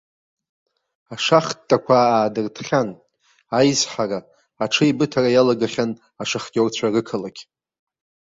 Ашахтақәа аадыртхьан, аизҳара, аҽеибыҭара иалагахьан ашахтиорцәа рықалақь.